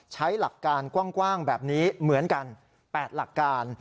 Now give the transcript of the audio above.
หลักการกว้างแบบนี้เหมือนกัน๘หลักการ